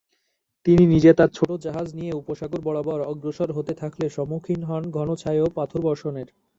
তিনি নিজে তার ছোট জাহাজ নিয়ে উপসাগর বরাবর অগ্রসর হতে থাকলে সম্মুখীন হন ঘন ছাই ও পাথরবর্ষণের।